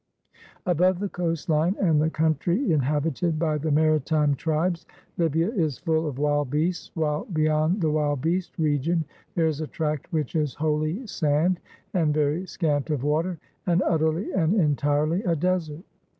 Above the coast line and the country inhab ited by the maritime tribes, Libya is full of wild beasts, while beyond the wild beast region there is a tract which is wholly sand and very scant of water, and utterly and entirely a desert.